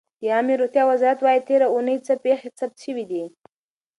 د عامې روغتیا وزارت وایي تېره اوونۍ څه پېښې ثبت شوې دي.